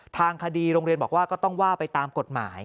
ทางคดีโรงเรียนบอกว่าก็ต้องว่าไปตามกฎหมาย